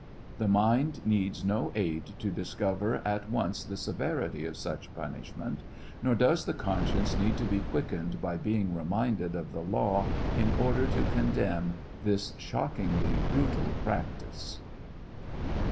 The mind needs no aid to discover at once the severity of such punishment, nor does the conscience need to be quickened by being reminded of the law in order to condemn this shockingly brutal practice.